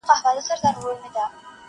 په غوغا به يې په ښار كي ځوان او زوړ كړ.!